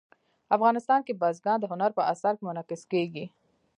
افغانستان کې بزګان د هنر په اثار کې منعکس کېږي.